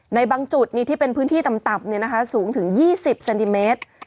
ในบางจุดนี่ที่เป็นพื้นที่ตำตับเนี่ยนะคะสูงถึงยี่สิบเซนติเมตร